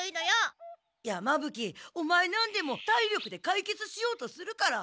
山ぶ鬼オマエなんでも体力で解決しようとするから。